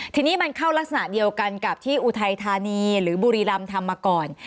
ทีนี้มันเข้ารักษณะเดียวกันกับที่อุทัยธานีหรือบุรีรำทำมาก่อน